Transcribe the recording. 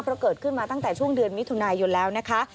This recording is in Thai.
เพราะเกิดขึ้นมาตั้งแต่ช่วงเดือนมิถุนายนแล้วนะคะ